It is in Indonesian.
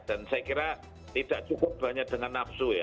dan saya kira tidak cukup banyak dengan nafsu